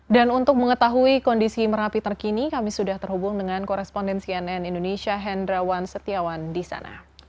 dan untuk mengetahui kondisi merapi terkini kami sudah terhubung dengan koresponden cnn indonesia hendrawan setiawan di sana